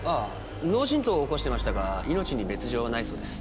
脳しんとうを起こしてましたが命に別条はないそうです。